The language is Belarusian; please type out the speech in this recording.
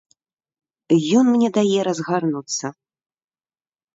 Ён мне дае разгарнуцца.